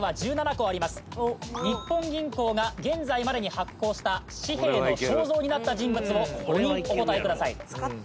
日本銀行が現在までに発行した紙幣の肖像になった人物を５人お答えください